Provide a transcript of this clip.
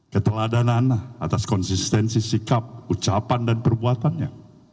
keteladanan atas konsistensi sikap ucapan dan perbuatannya